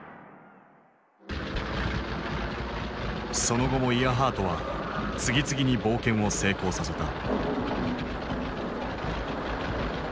その後もイアハートは次々に冒険を成功させた。